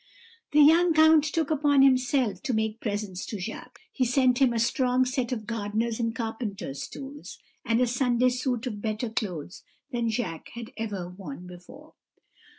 "The young count took upon himself to make presents to Jacques; he sent him a strong set of gardener's and carpenter's tools, and a Sunday suit of better clothes than Jacques had ever worn before.